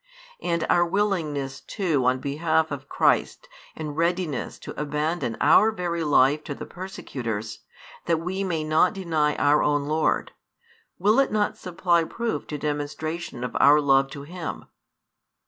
And our willingness too on behalf of Christ and |314 readiness to abandon our very life to the persecutors, that we may not deny our own Lord, will it not supply proof to demonstration of our love to Him?